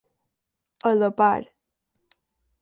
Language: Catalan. A la par.